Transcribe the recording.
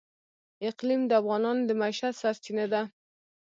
اقلیم د افغانانو د معیشت سرچینه ده.